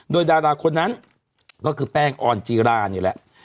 โดยดาราคนนั้นก็คือแป้งออนจีรานี่แหละ